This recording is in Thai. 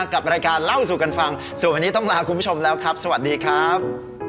กับรายการเล่าสู่กันฟังส่วนวันนี้ต้องลาคุณผู้ชมแล้วครับสวัสดีครับ